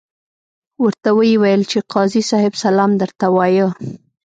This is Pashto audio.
ورته ویې ویل چې قاضي صاحب سلام درته وایه.